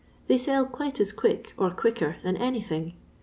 They sell quite as quick, or quicker, than anything.